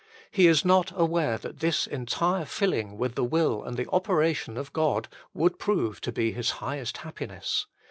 He is not aware that this entire filling with the will and the operation of God would prove to be his highest happiness.